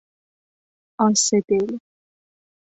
آس دل